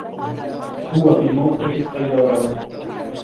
هو في موقف السّيّارات.